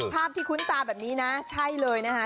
ภาพที่คุ้นตาแบบนี้นะใช่เลยนะคะ